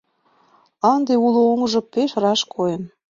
Ынде уло оҥжо пеш раш койын.